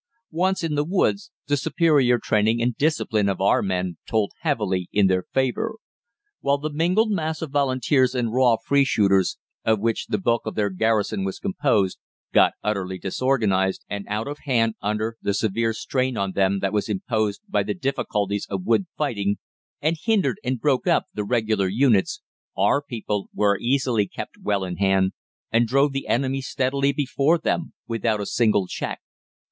Once in the woods, the superior training and discipline of our men told heavily in their favour. While the mingled mass of Volunteers and raw free shooters, of which the bulk of their garrison was composed, got utterly disorganised and out of hand under the severe strain on them that was imposed by the difficulties of wood fighting, and hindered and broke up the regular units, our people were easily kept well in hand, and drove the enemy steadily before them without a single check.